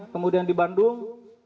kemudian di bandung